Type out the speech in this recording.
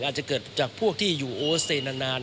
อาจจะเกิดจากพวกที่อยู่โอเซนาน